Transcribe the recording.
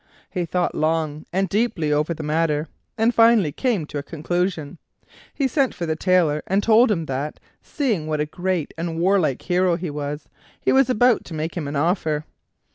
He thought long and deeply over the matter, and finally came to a conclusion. He sent for the Tailor and told him that, seeing what a great and warlike hero he was, he was about to make him an offer.